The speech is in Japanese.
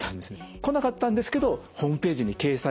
来なかったんですけどホームページに掲載されました。